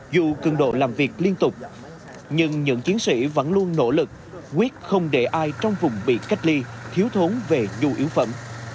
dù cường độ làm việc liên tục nhưng những chiến sĩ vẫn luôn nỗ lực quyết không để ai trong vùng bị cách ly thiếu thốn về nhu yếu phẩm